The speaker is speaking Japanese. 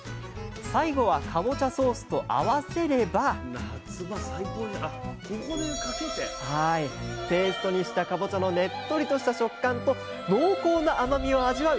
最後はかぼちゃソースと合わせればペーストにしたかぼちゃのねっとりとした食感と濃厚な甘みを味わう